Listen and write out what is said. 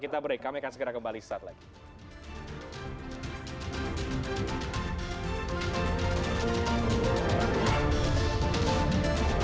kita break kami akan segera kembali setelah ini